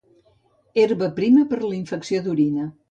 Herba prima, per a la infecció d'orina.